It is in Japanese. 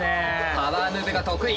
パワームーブが得意。